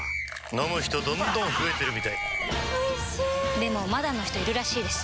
飲む人どんどん増えてるみたいおいしでもまだの人いるらしいですよ